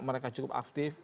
mereka cukup aktif